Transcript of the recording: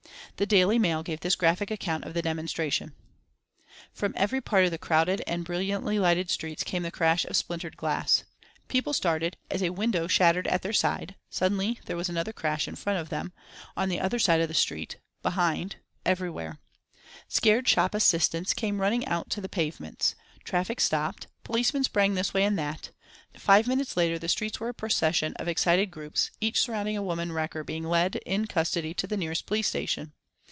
The Daily Mail gave this graphic account of the demonstration: From every part of the crowded and brilliantly lighted streets came the crash of splintered glass. People started as a window shattered at their side; suddenly there was another crash in front of them; on the other side of the street; behind everywhere. Scared shop assistants came running out to the pavements; traffic stopped; policemen sprang this way and that; five minutes later the streets were a procession of excited groups, each surrounding a woman wrecker being led in custody to the nearest police station.